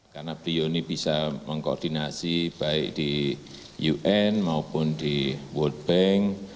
karena brio ini bisa mengkoordinasi baik di un maupun di world bank